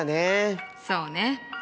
そうね。